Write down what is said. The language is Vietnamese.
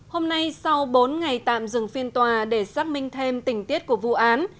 hôm nay sau bốn ngày tạm dừng phiên tòa để xác minh thêm tình tiết của vụ án